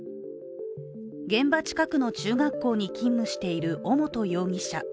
現場近くの中学校に勤務している尾本容疑者。